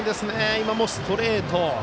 今もストレート。